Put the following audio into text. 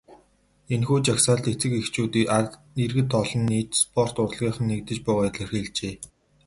Энэхүү жагсаалд эцэг эхчүүд, иргэд олон нийт, спорт, урлагийнхан нэгдэж буйгаа илэрхийлжээ.